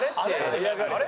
「あれ？」